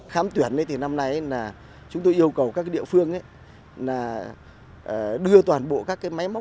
khám tuyển thì năm nay chúng tôi yêu cầu các địa phương đưa toàn bộ các máy móc